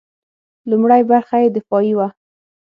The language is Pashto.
لومړۍ برخه یې دفاعي وه.